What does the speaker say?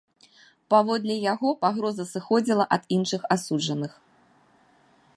Паводле яго, пагроза сыходзіла ад іншых асуджаных.